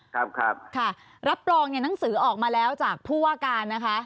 ครับครับค่ะรับรองเนี่ยหนังสือออกมาแล้วจากผู้ว่าการนะคะ